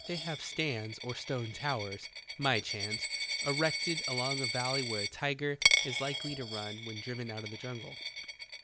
They have stands or stone towers (myehans) ereeted along a valley where a tiger is likely to run when driven out of the jungle.